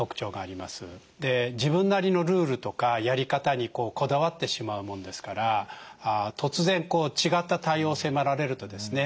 自分なりのルールとかやり方にこだわってしまうもんですから突然違った対応を迫られるとですね